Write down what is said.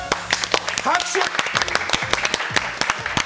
拍手！